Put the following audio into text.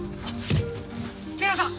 寺さん！